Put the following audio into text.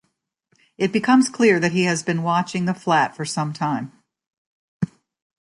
It becomes clear that he has been watching the flat for some time.